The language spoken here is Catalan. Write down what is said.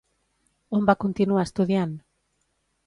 On va continuar estudiant?